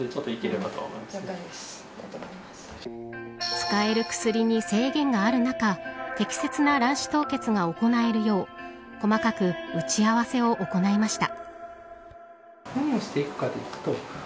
使える薬に制限がある中適切な卵子凍結が行えるよう細かく打ち合わせを行いました。